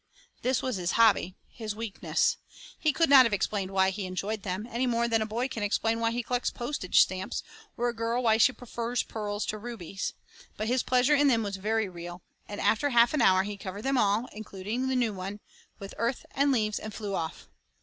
This was his hobby, his weakness. He could not have explained why he enjoyed them, any more than a boy can explain why he collects postage stamps, or a girl why she prefers pearls to rubies; but his pleasure in them was very real, and after half an hour he covered them all, including the new one, with earth and leaves, and flew off.